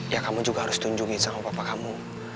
ya kamu juga harus tunjungin sama papa kamu